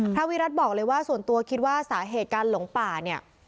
วิรัติบอกเลยว่าส่วนตัวคิดว่าสาเหตุการหลงป่าเนี่ย